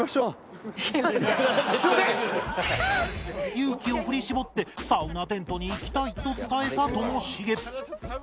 勇気を振り絞ってサウナテントに行きたいと伝えたともしげ